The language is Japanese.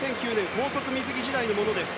高速水着時代のものです。